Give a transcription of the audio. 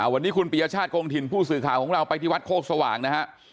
วันนี้คุณปียชาติคงถิ่นผู้สื่อข่าวของเราไปที่วัดโคกสว่างนะฮะ